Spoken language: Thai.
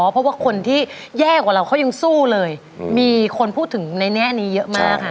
เพราะว่าคนที่แย่กว่าเราเขายังสู้เลยมีคนพูดถึงในแง่นี้เยอะมากค่ะ